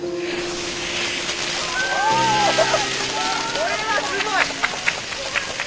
これはすごい！